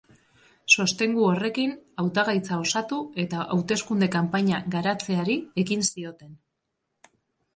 Sostengu horrekin, hautagaitza osatu eta hauteskunde kanpaina garatzeari ekin zioten.